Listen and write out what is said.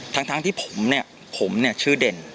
ตอนทางที่ผมเนี่ยผมชื่อเด่น